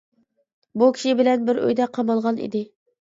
بۇ كىشى بىلەن بىر ئۆيدە قامالغان ئىدى.